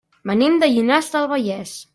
Venim de Llinars del Vallès.